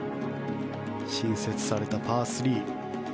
新設されたパー３。